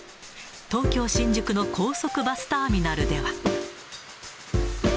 東京・新宿の高速バスターミナルでは。